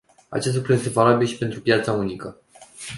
Acest lucru este valabil și pentru piața unică.